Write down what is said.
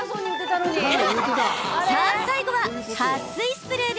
さあ、最後ははっ水スプレー。